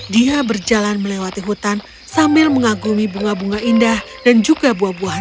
dia berjalan melewati hutan sambil mengagumi bunga bunga indah dan juga buah buahan